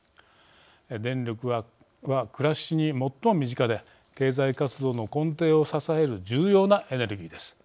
電力は暮らしに最も身近で経済活動の根底を支える重要なエネルギーです。